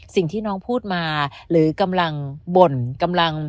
สิ่งที่น้องพูดมาหรือกำลังบ่นกำลัง